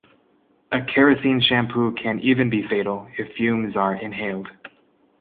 A kerosene shampoo can even be fatal if fumes are inhaled.